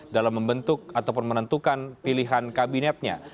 dalam membentuk ataupun menentukan pilihan kabinetnya